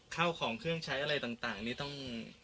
ข้าวของเครื่องใช้อะไรต่างนี่ต้อง